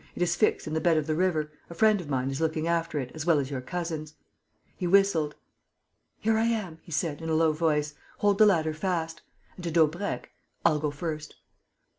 It is fixed in the bed of the river. A friend of mine is looking after it, as well as your cousins." He whistled: "Here I am," he said, in a low voice. "Hold the ladder fast." And, to Daubrecq, "I'll go first."